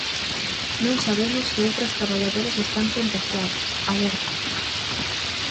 Non sabemos se outras traballadoras están contaxiadas, alerta.